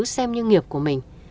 xem như nghiệp của mình